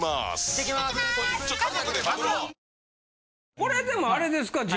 これでもあれですか陣。